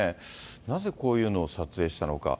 なぜこういうのを撮影したのか。